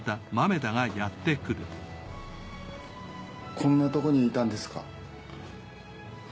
こんなとこにいたんですか。